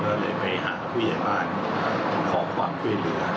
ก็เลยไปหาผู้ใหญ่บ้านขอความช่วยเหลือ